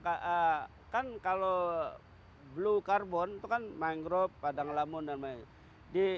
kan kalau blue carbon itu kan mangrove padang lamun dan lain lain